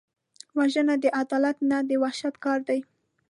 وژنه د عدالت نه، د وحشت کار دی